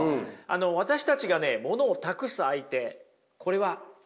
私たちがねものを託す相手これは他者ですよね。